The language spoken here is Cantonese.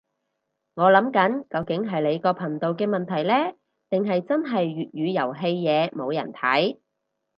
我諗緊究竟係你個頻道嘅問題呢，定係真係粵語遊戲嘢冇人睇